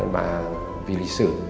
mà vì lý sử